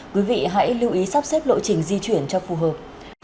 quý vị hãy lưu ý sắp xếp lộ trình di chuyển cho phù hợp